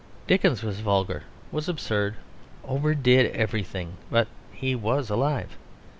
Dickens was vulgar, was absurd, overdid everything, but he was alive.